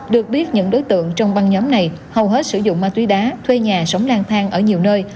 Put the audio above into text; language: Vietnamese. được biết những đối tượng trong băng nhóm này hầu hết sử dụng ma túy đá thuê nhà sống lang thang ở nhiều nơi